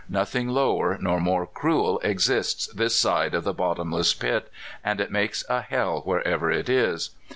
Nothing lower nor more cruel exists this side of the bottomless pit, and it makes a hell wher ever it is.